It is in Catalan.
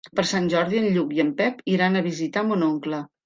Per Sant Jordi en Lluc i en Pep iran a visitar mon oncle.